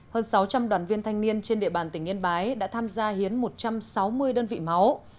hơn sáu trăm linh đoàn viên thanh niên trên địa bàn tỉnh yên bái đã tham gia hiến một trăm sáu mươi đơn vị máu